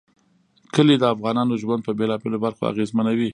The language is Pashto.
کلي د افغانانو ژوند په بېلابېلو برخو اغېزمنوي.